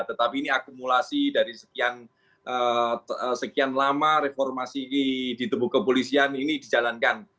tetapi ini akumulasi dari sekian lama reformasi di tubuh kepolisian ini dijalankan